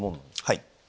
はい。